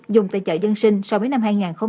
dùng tại chợ dân sinh so với năm hai nghìn một mươi tám